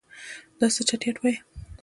دا څه چټیات وایې.